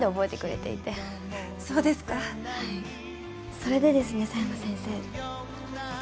それでですね佐山先生。